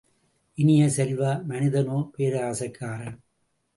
இனிய செல்வ, மனிதனோ பேராசைக்காரன்.